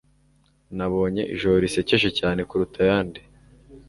Nabonye ijoro risekeje cyane kuruta ayandi.